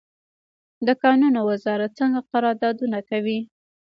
د کانونو وزارت څنګه قراردادونه کوي؟